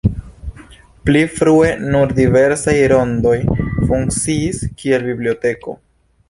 Pli frue nur diversaj rondoj funkciis, kiel biblioteko.